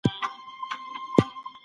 تاسي باید د خپل عزت دپاره بېدار سئ.